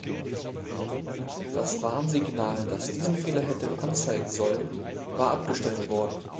Das Warnsignal, das diesen Fehler hätte anzeigen sollen, war abgestellt worden.